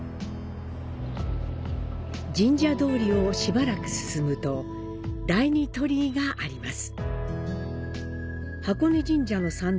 神社通りをしばらく進むと「第二鳥居」があります。